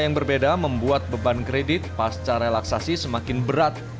yang berbeda membuat beban kredit pasca relaksasi semakin berat